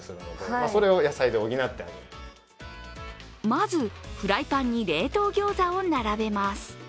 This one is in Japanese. まず、フライパンに冷凍ギョーザを並べます。